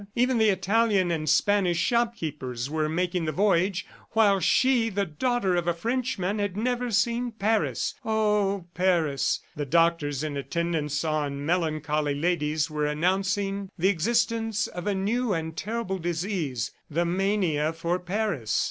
Even the Italian and Spanish shopkeepers were making the voyage, while she, the daughter of a Frenchman, had never seen Paris! ... Oh, Paris. The doctors in attendance on melancholy ladies were announcing the existence of a new and terrible disease, "the mania for Paris."